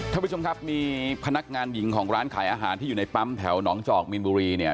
ท่านผู้ชมครับมีพนักงานหญิงของร้านขายอาหารที่อยู่ในปั๊มแถวหนองจอกมีนบุรีเนี่ย